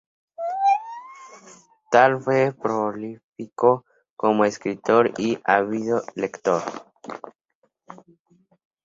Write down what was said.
Tal fue prolífico como escritor y ávido lector.